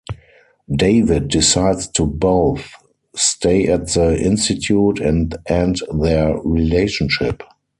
David decides to both stay at the Institute and end their relationship.